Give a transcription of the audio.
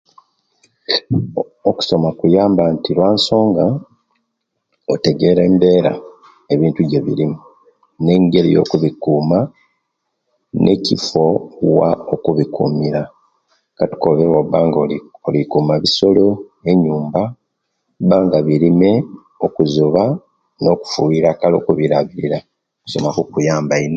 Okusoma kuyamba nti olwensonga otegere embera ebintu egjebirimu ne'ngeri ejokubikuma ne kifo wa owokubikumira katukobe owobba nga olikuuma bisolo enyumba owabba nga birime okubizuba no kufuwira kale okubilabirira okusoma kukuyamba